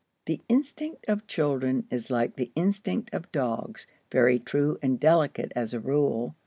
The instinct of children is like the instinct of dogs, very true and delicate as a rule.